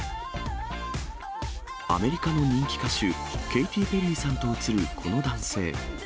アメリカの人気歌手、ケイティ・ペリーさんと写るこの男性。